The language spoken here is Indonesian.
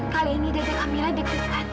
kali ini dedek amirah deg degan